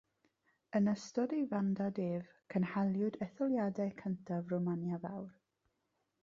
Yn ystod ei fandad ef, cynhaliwyd etholiadau cyntaf Romania Fawr.